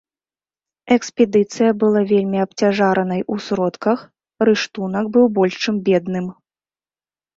Экспедыцыя была вельмі абцяжаранай у сродках, рыштунак быў больш чым бедным.